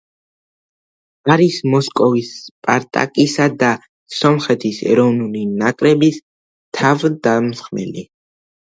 არის მოსკოვის „სპარტაკისა“ და სომხეთის ეროვნული ნაკრების თავდამსხმელი.